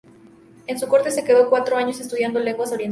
En su corte se quedó cuatro años estudiando lenguas orientales.